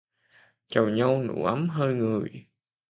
Chào nhau nụ ấm hơi người